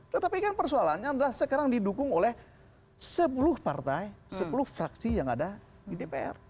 tetapi kan persoalannya adalah sekarang didukung oleh sepuluh partai sepuluh fraksi yang ada di dpr